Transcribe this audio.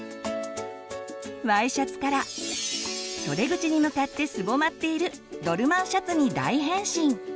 Ｙシャツから袖口に向かってすぼまっているドルマンシャツに大変身！